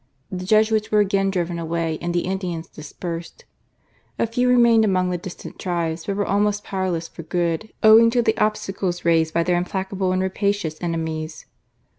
The Jesuits were again driven away and the Indians dispersed. A few remained among the distant tribes, but were almost powerless for good, owing to the obstacles raised by their implacable and rapacious enemies.